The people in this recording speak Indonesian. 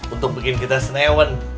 untuk bikin kita senewen